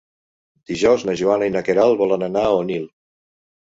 Dijous na Joana i na Queralt volen anar a Onil.